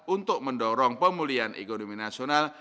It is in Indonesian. untuk mendorong pemulihan ekonomi nasional